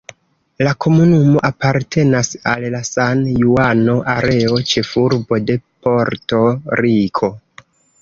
La komunumo apartenas al la San-Juano areo, ĉefurbo de Porto-Riko.